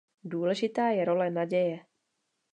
Důležitá je role naděje.